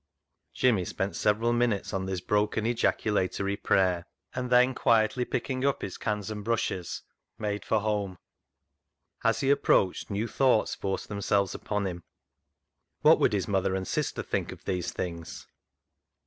Jimmy spent several minutes on this broken 85 86 CLOG SHOP CHRONICLES ejaculatory prayer, and then quietly picking up his cans and brushes he made for home. As he approached, new thoughts forced themselves upon him. What would his mother and sister think of these things